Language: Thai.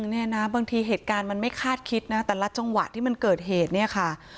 เนี่ยนะบางทีเหตุการณ์มันไม่คาดคิดนะแต่ละจังหวะที่มันเกิดเหตุเนี่ยค่ะ